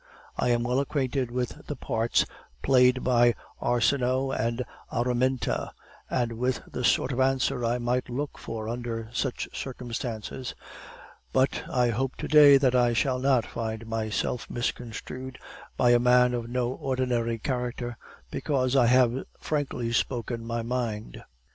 I am well acquainted with the parts played by Arsinoe and Araminta, and with the sort of answer I might look for under such circumstances; but I hope to day that I shall not find myself misconstrued by a man of no ordinary character, because I have frankly spoken my mind.